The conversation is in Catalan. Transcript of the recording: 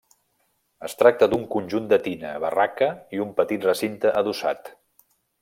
Es tracta d'un conjunt de tina, barraca i un petit recinte adossat.